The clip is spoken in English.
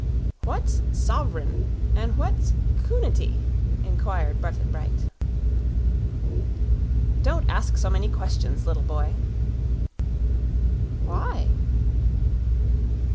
"What's sov'rin, and what's c'u'nity?" inquired Button Bright. "Don't ask so many questions, little boy." "Why?"